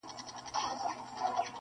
خامخا به څه سُرور د پیالو راوړي,